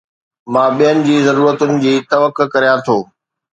مان ٻين جي ضرورتن جي توقع ڪريان ٿو